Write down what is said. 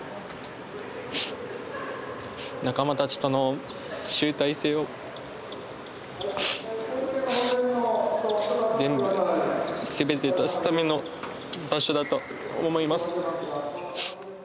仲間たちとの集大成を全部全て出すための場所だったと思います。